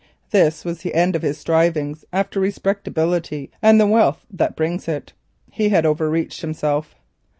This was the end of his strivings after respectability and the wealth that brings it. He had overreached himself.